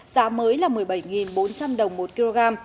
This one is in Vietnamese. giá mới là một mươi bảy bốn trăm linh đồng một kg